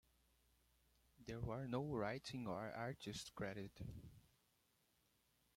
There were no writing or artists credited.